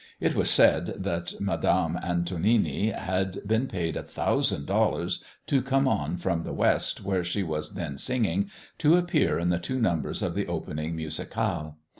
It was said that Madame Antonini had been paid a thousand dollars to come on from the West, where she was then singing, to appear in the two numbers of the opening musicale.